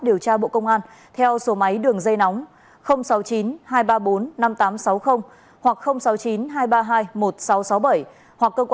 điều tra bộ công an theo số máy đường dây nóng sáu mươi chín hai trăm ba mươi bốn năm nghìn tám trăm sáu mươi hoặc sáu mươi chín hai trăm ba mươi hai một nghìn sáu trăm sáu mươi bảy hoặc cơ